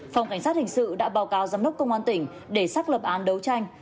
phòng cảnh sát hình sự đã báo cáo giám đốc công an tỉnh để xác lập án đấu tranh